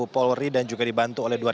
polri dan juga dibantu oleh